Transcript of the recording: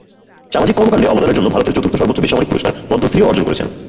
সামাজিক কর্মকাণ্ডে অবদানের জন্য ভারতের চতুর্থ সর্বোচ্চ বেসামরিক পুরস্কার পদ্মশ্রীও অর্জন করেছেন।